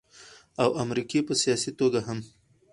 او امريکې په سياسي توګه هم